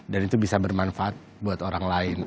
dan itu bisa bermanfaat buat orang lain